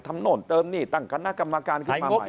ทำโน่นเติมหนี้ตั้งคณะกรรมการ